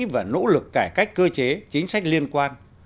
và nỗ lực cải cách cơ chế chính sách liên quan